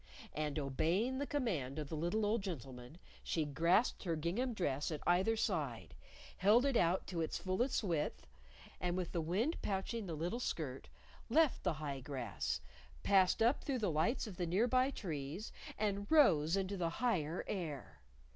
And obeying the command of the little old gentleman, she grasped her gingham dress at either side held it out to its fullest width and with the wind pouching the little skirt, left the high grass, passed up through the lights of the nearby trees and rose into the higher air!